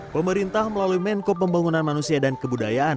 pemerintah melalui menko pembangunan manusia dan kebudayaan